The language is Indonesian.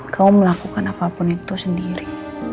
kau melakukan apapun itu sendiri